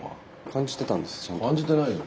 感じてないよ。